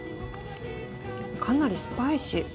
かなりスパイシー。